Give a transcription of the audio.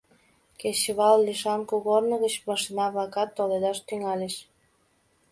Кечывал лишан кугорно гыч машина-влакат толедаш тӱҥальыч.